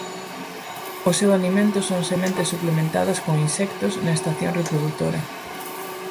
O seu alimento son sementes suplementadas con insectos na estación reprodutora.